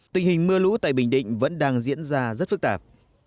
tình hình mưa lũ tại bình định vẫn đang diễn ra rất phức tạp